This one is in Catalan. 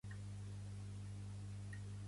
La majoria són musulmans.